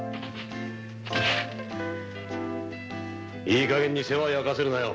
いいかげんに世話焼かせるなよ。